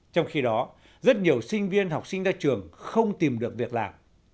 trong khi đó rất nhiều sinh viên học sinh ra trường không tìm được việc làm